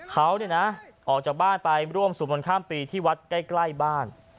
เขาออกจากบ้านไปร่วมสู่บนข้ามปีที่วัดใกล้บ้าน